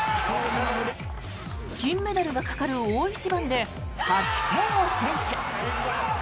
金メダルがかかる大一番で８点を先取。